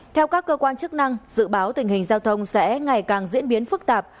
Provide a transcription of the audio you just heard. theo các cơ quan chức năng dự báo tình hình giao thông sẽ ngày càng diễn biến phức tạp